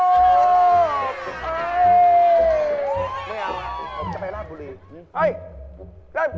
งั้นเอาล่ะผมจะไปร้านบุรี